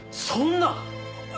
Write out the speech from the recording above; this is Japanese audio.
そんな！